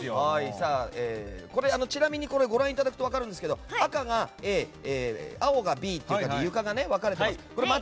ちなみにご覧いただくと分かると思うんですけど赤がＡ、青がＢと床が分かれています。